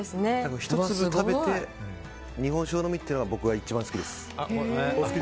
１粒食べて日本酒を飲むっていうのが僕は一番好きです。